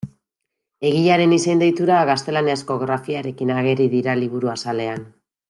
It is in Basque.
Egilearen izen-deiturak gaztelaniazko grafiarekin ageri dira liburu azalean.